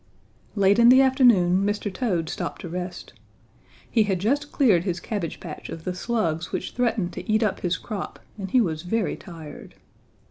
"Late in the afternoon, Mr. Toad stopped to rest. He had just cleared his cabbage patch of the slugs which threatened to eat up his crop and he was very tired.